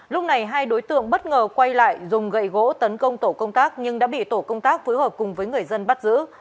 lúc này hai đối tượng bất ngờ quay lại dùng gậy gỗ tấn công tổ công tác nhưng đã bị tổ công tác phối hợp cùng với người dân bắt giữ